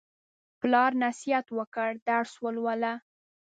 پلار نصیحت وکړ: درس ولوله.